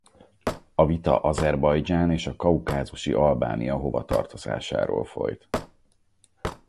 A vita Azerbajdzsán és a kaukázusi Albánia hovatartozásáról folyt.